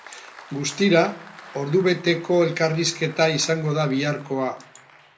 Guztira, ordubeteko elkarrizketa izango da biharkoa.